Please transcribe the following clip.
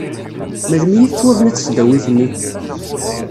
Melmi i tettwabna tesdawit-nni?